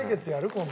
今度。